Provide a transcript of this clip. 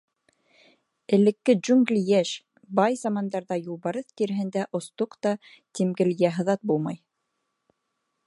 Элекке джунгли йәш, бай замандарҙа Юлбарыҫ тиреһендә остоҡ та тимгел йә һыҙат булмай.